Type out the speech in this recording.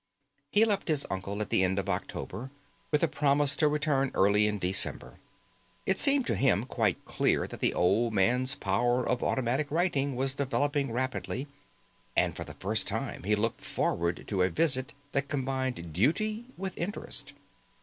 He left his uncle at the end of October, with a promise to return early in December. It seemed to him quite clear that the old man's power of automatic writing was developing rapidly, and for the first time he looked forward to a visit that combined duty with interest.